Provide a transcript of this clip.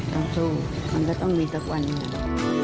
ต้องสู้มันก็ต้องมีสักวันหนึ่ง